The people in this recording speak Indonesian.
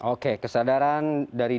oke kesadaran dari